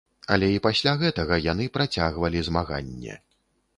Але і пасля гэтага яны працягвалі змаганне.